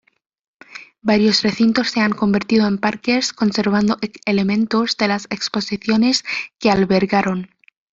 Varios recintos se han convertido en parques, conservando elementos de las exposiciones que albergaron.